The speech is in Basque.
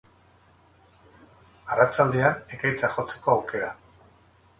Arratsaldean, ekaitzak jotzeko aukera.